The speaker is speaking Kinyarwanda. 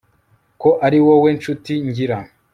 ko ariwowe nshuti ngira